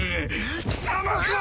貴様か！